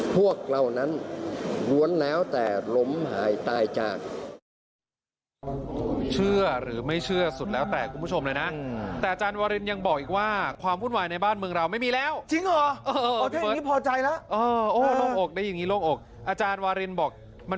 พวกเรานั้นล้วนแล้วแต่ล้มหายตายจาก